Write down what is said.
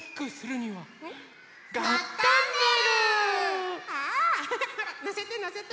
のせてのせて。